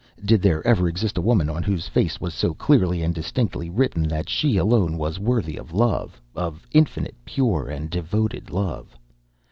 Did there ever exist a woman on whose face was so clearly and distinctly written that she alone was worthy of love of infinite, pure, and devoted love?